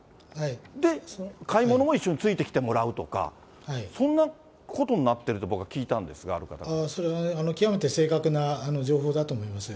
で、買い物も一緒についてきてもらうとか、そんなことになってるって、僕は聞いたんですが、ある方から。それは極めて正確な情報だと思います。